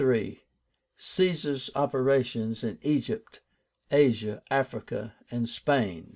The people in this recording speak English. CAESAR'S OPERATIONS IN EGYPT, ASIA, AFRICA, AND SPAIN.